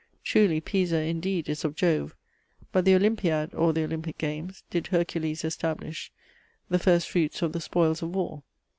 Truly Pisa indeed is of Jove, But the Olympiad (or the Olympic games) did Hercules establish, The first fruits of the spoils of war.